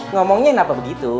ngomongnya kenapa begitu